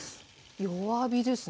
弱火ですね。